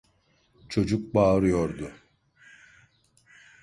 Çocuk bağırıyordu.